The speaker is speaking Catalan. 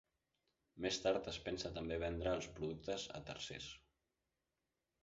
Més tard es pensa també vendre els productes a tercers.